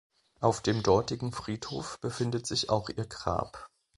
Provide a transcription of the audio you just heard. Auf dem dortigen Friedhof befindet sich auch ihr Grab.